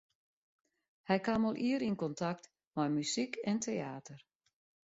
Hy kaam al ier yn kontakt mei muzyk en teäter.